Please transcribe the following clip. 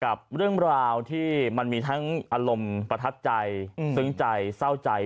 กับเรื่องราวที่มันมีทั้งอารมณ์ประทับใจซึ้งใจเศร้าใจ